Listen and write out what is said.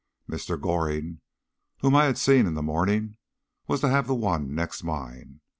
Mr. Goring, whom I had seen in the morning, was to have the one next mine.